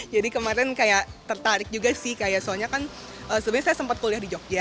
jadi kemarin kayak tertarik juga sih kayak soalnya kan sebenarnya saya sempat kuliah di jogja